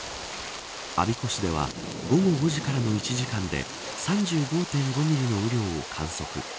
我孫子市では午後５時からの１時間で３５．５ミリの雨量を観測。